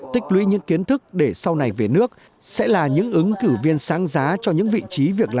tích lũy những kiến thức để sau này về nước sẽ là những ứng cử viên sáng giá cho những vị trí việc làm